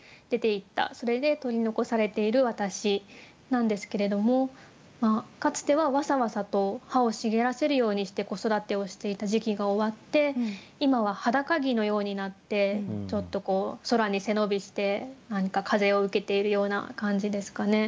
それで取り残されている私なんですけれどもかつてはわさわさと葉を茂らせるようにして子育てをしていた時期が終わって今は裸木のようになってちょっとこう空に背伸びして何か風を受けているような感じですかね。